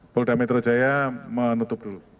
polda metro jaya menutup dulu